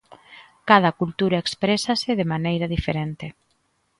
Cada cultura exprésase de maneira diferente.